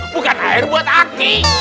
bukan air buat aki